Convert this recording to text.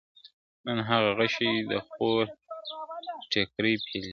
نن هغه غشي د خور ټيكري پېيلي!.